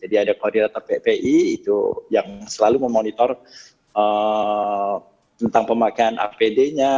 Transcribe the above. itu yang selalu memonitor tentang pemakaian apd nya